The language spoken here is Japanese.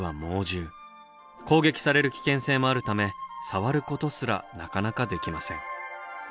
攻撃される危険性もあるため触ることすらなかなかできません。